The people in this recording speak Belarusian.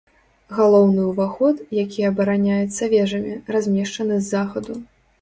Галоўны ўваход, які абараняецца вежамі, размешчаны з захаду.